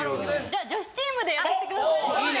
じゃ女子チームでやらせてください。